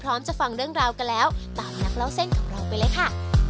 พร้อมจะฟังเรื่องราวกันแล้วตามนักเล่าเส้นของเราไปเลยค่ะ